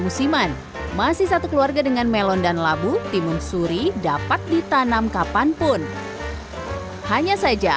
musiman masih satu keluarga dengan melon dan labu timun suri dapat ditanam kapanpun hanya saja